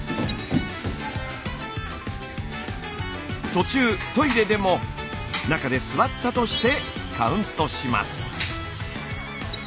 途中トイレでも中で座ったとしてカウントします。